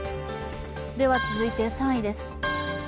では続いて３位です。